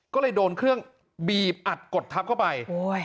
ก็เลยโดนเครื่องบีบอัดกดทับเข้าไป